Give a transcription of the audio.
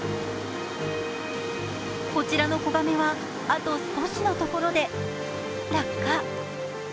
こちらの子亀はあと少しのところで落下。